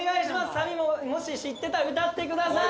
サビももし知ってたら歌ってください。